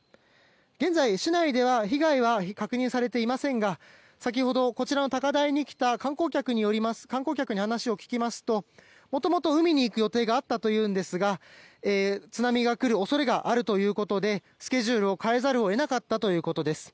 現在、市内では被害は確認されていませんが先ほどこちらの高台に来た観光客に話を聞きますと元々海に行く予定があったというんですが津波が来る恐れがあるということでスケジュールを変えざるを得なかったということです。